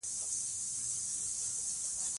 اداري خپلواکي د سیاسي فشارونو پر وړاندې مهمه ساتنه ده